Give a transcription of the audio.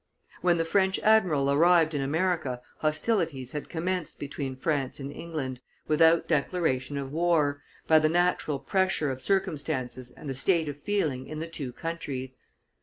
When the French admiral arrived in America, hostilities had commenced between France and England, without declaration of war, by the natural pressure of circumstances and the state of feeling in the two countries.